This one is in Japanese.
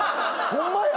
ホンマや！